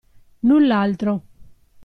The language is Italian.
Null'altro.